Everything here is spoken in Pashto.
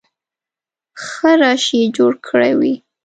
ښه رش یې جوړ کړی وي.